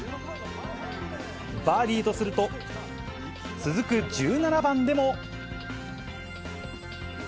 バーディーとすると、続く１７番でも。